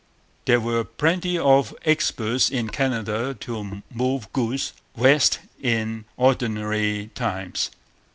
There were plenty of experts in Canada to move goods west in ordinary times.